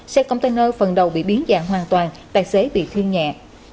xe container phần đầu bị biến dạng hoàn toàn tài xế bị thương nhẹ